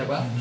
ada di tkp